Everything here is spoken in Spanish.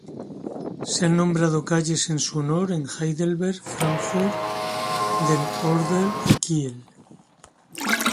Se han nombrado calles en su honor en Heidelberg, Fráncfort del Óder y Kiel.